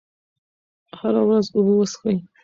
هره ورځ اوبه وڅښئ.